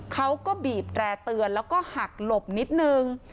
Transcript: เขาก็บีบแตร่เตือนแล้วก็หักหลบนิดนึง